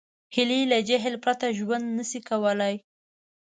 هیلۍ له جهیل پرته ژوند نشي کولی